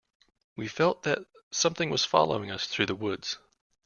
We felt that something was following us through the woods.